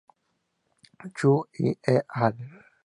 Zhu, Y. et al.